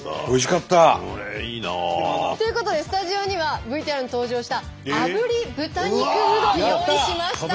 えっいいな。ということでスタジオにはＶＴＲに登場したあぶり豚肉うどん用意しました。